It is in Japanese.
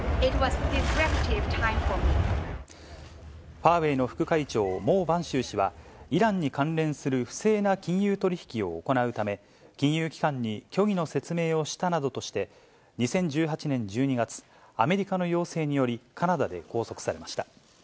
ファーウェイの副会長、孟晩舟氏はイランに関連する不正な金融取り引きを行うため、金融機関に虚偽の説明をしたなどとして、２０１８年１２月、アメリカの要請により、カナダで拘束されました。